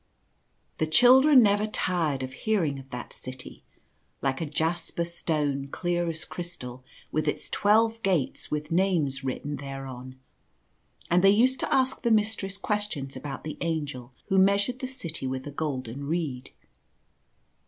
The children never tired of hearing of that City, like a jasper stone clear as crystal, with its twelve gates with names written thereon, and they used to ask the Mistress questions about the Angel who measured the City with a golden reed.